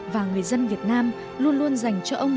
và người dân việt nam luôn luôn dành cho ông